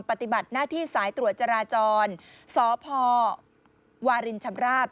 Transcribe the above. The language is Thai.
ปฏิบัติหน้าที่สายตรวจจราจรสพวารินชำราบ